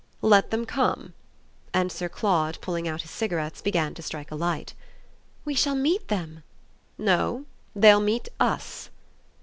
"Let them come." And Sir Claude, pulling out his cigarettes, began to strike a light. "We shall meet them!" "No. They'll meet US."